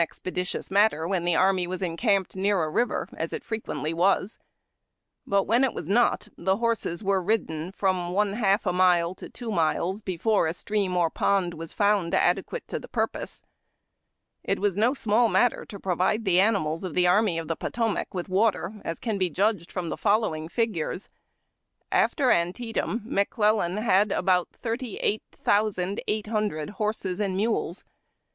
expeditious matter when the arm}^ was encamped near a river, as it frequently was ; but when it was not, the horses were ridden from one half a mile to two miles before a stream or pond was found adequate to the purpose. It was no small matter to provide the animals of the Army of the Potomac with water, as can be judged from the following figures: After Antietam McClellan had about thirty eight thousand eight hundred horses and mules.